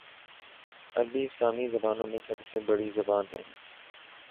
عربی سامی زبانوں میں سب سے بڑی زبان ہے